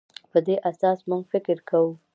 په دې اساس موږ فکر کوو.